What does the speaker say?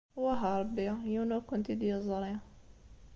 Wah a Ṛebbi yiwen ur kent-id-yeẓṛi.